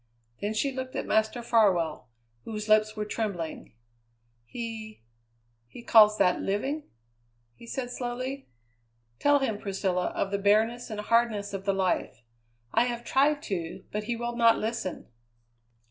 Then she looked at Master Farwell, whose lips were trembling. "He he calls that living!" he said slowly. "Tell him, Priscilla, of the bareness and hardness of the life. I have tried to, but he will not listen."